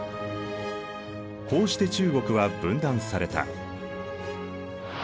こうして中国は分断された。